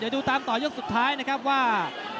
เดี๋ยวดูตามต่อยกสุดท้ายนะครับว่า